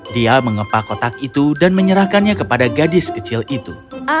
dia mengepak kotak itu dan menyerahkannya kepada gadis kecil itu